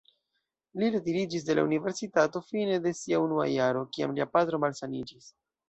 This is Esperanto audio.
Li retiriĝis de la universitato fine de sia unua jaro, kiam lia patro malsaniĝis.